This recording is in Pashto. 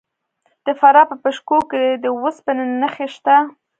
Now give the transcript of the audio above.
د فراه په پشت کوه کې د وسپنې نښې شته.